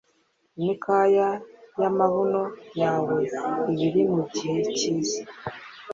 Imikaya y'amabuno yawe iba iri mu gihe cyiza